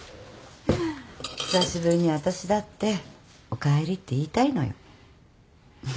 久しぶりに私だっておかえりって言いたいのよ。